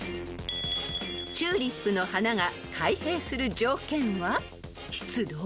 ［チューリップの花が開閉する条件は湿度？